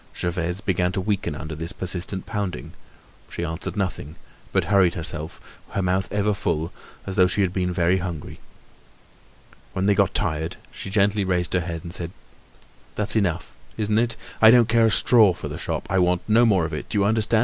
Gervaise began to weaken under this persistent pounding. She answered nothing, but hurried herself, her mouth ever full, as though she had been very hungry. When they got tired, she gently raised her head and said: "That's enough, isn't it? I don't care a straw for the shop! I want no more of it. Do you understand?